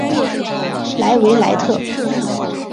莱维莱特。